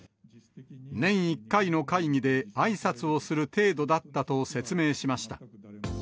年１回の会議であいさつをする程度だったと説明しました。